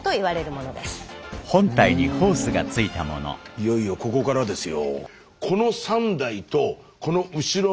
いよいよここからですよ。